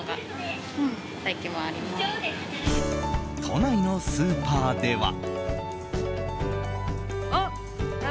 都内のスーパーでは。